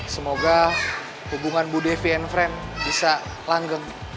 semoga hubungan bu devi and friend bisa langgeng